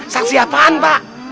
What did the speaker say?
saksi apaan pak